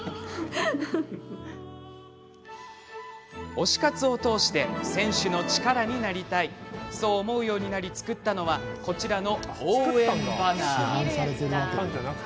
推し活を通して選手の力になりたいそう思うようになり作ったのはこちらの応援バナー。